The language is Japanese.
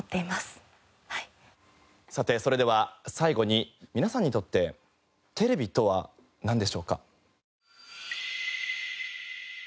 さてそれでは最後に皆さんにとってテレビとはなんでしょうか？